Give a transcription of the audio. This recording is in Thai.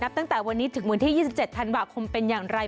ตั้งแต่วันนี้ถึงวันที่๒๗ธันวาคมเป็นอย่างไร